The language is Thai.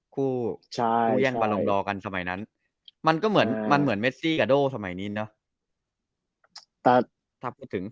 คู่ย่างประลงรอกันสมัยนั้นมันก็เหมือนเมซี่กับโด่สมัยนี้เนอะ